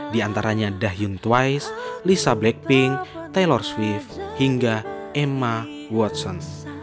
di antaranya dahyun twice lisa blackpink taylor swift hingga emma watson